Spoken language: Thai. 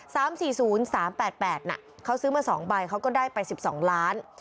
สามสี่ศูนย์สามแปดแปดน่ะเขาซื้อมาสองใบเขาก็ได้ไปสิบสองล้าน